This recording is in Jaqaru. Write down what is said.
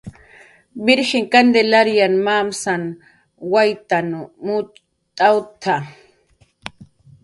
Virjin Kantilary mamas waytn mucht'awtna